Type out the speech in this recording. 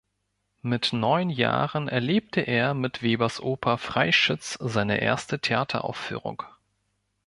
Mit neun Jahren erlebte er mit Webers Oper Freischütz seine erste Theateraufführung.